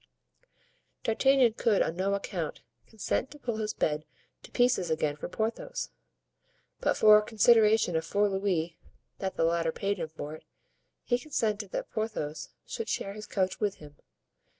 D'Artagnan could on no account consent to pull his bed to pieces again for Porthos, but for a consideration of four louis that the latter paid him for it, he consented that Porthos should share his couch with him.